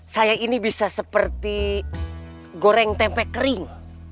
saya ini bisa seperti goreng tempe kering